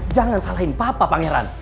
jangan salahin papa pangeran